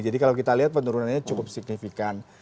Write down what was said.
jadi kalau kita lihat penurunannya cukup signifikan